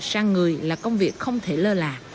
sang người là công việc không thể lơ là